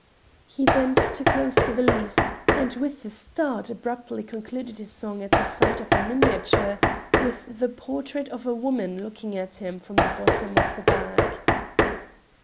He bent to close the valise, and with a start abruptly concluded his song at the sight of a miniature with the portrait of a woman looking at him from the bottom of the bag.